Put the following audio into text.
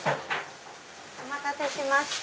お待たせしました。